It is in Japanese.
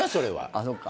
あっそっか。